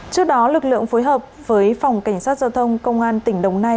trước đó lực lượng phối hợp với phòng cảnh sát giao thông công an tỉnh đồng nai